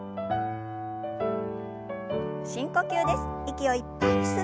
深呼吸です。